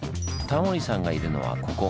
タモリさんがいるのはここ。